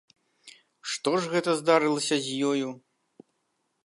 Што ж гэта здарылася з ёю?